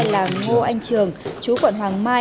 là ngô anh trường chú quận hoàng mai